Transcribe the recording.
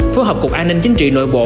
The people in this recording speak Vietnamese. phối hợp cục an ninh chính trị nội bộ